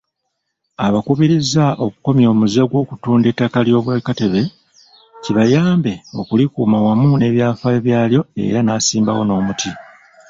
Abakubirizza okukomya omuze gw'okutunda ettaka ly'Obwakatebe kibayambe okulikuuma wamu n'ebyafaayo byalyo era n'asimbawo n'omuti.